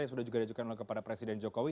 yang sudah juga diajukan kepada presiden jokowi